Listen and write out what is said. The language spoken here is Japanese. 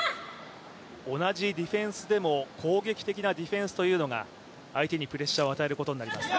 同じディフェンスでも攻撃的なディフェンスというのが相手にプレッシャーを与えることになります。